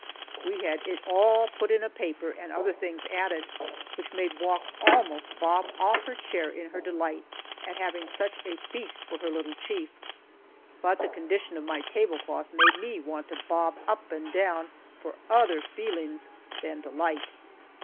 We had it all put in a paper and other things added, which made Wauk almost bob off her chair in her delight at having such a feast for her little chief. But the condition of my tablecloth made me want to bob up and down for other feelings than delight!